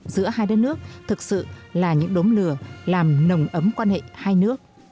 giữa hai đất nước thực sự là những đốm lửa làm nồng ấm quan hệ hai nước